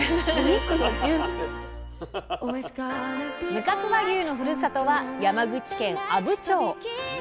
無角和牛のふるさとは山口県阿武町。